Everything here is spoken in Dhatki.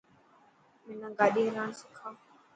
منا گاڏي هلاڻ سکا.